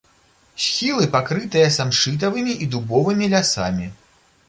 Схілы пакрытыя самшытавымі і дубовымі лясамі.